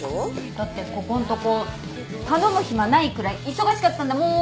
だってここんとこ頼む暇ないくらい忙しかったんだもん。